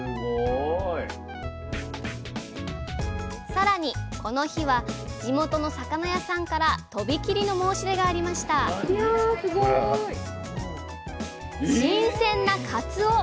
さらにこの日は地元の魚屋さんから飛び切りの申し出がありました新鮮な鰹。